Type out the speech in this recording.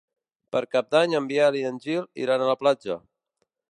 Per Cap d'Any en Biel i en Gil iran a la platja.